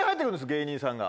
芸人さんが。